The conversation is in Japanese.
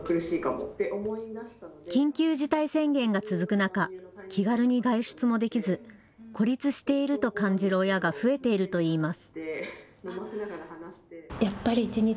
緊急事態宣言が続く中、気軽に外出もできず、孤立していると感じる親が増えているといいます。